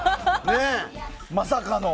まさかの。